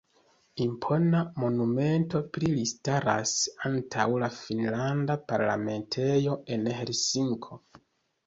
Impona monumento pri li staras antaŭ la finnlanda parlamentejo en Helsinko.